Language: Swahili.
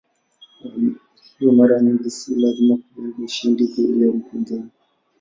Kwa hiyo mara nyingi si lazima kulenga ushindi dhidi ya mpinzani.